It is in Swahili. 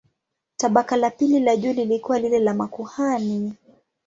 Tabaka la pili la juu lilikuwa lile la makuhani.